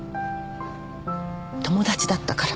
友達だったから。